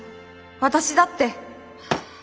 私だって。